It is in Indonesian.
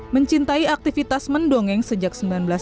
mencintai aktivitas mendongeng sejak seribu sembilan ratus sembilan puluh